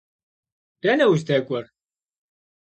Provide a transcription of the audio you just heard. Dene vuzdek'uer?